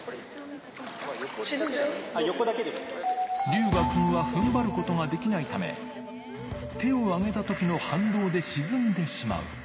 龍芽くんは踏ん張ることができないため、手をあげたときの反動で沈んでしまう。